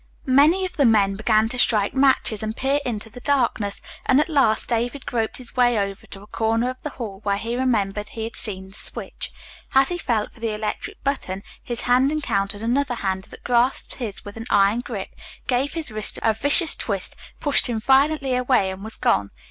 Many of the men began to strike matches and peer into the darkness, and at last David groped his way over to a corner of the hall where he remembered he had seen the switch. As he felt for the electric button his hand encountered another hand, that grasped his with an iron grip, gave his wrist a vicious twist, pushed him violently away and was gone.